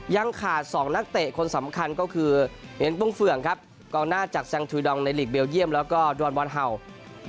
ยังขาด๒นักเตะคนสำคัญก็คือเห็นปุ้งเฟื่องครับกองหน้าจากแซงทุยดองในหลีกเบลเยี่ยมแล้วก็ดอนบอลเห่า